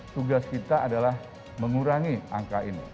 tugas kita adalah mengurangi angka ini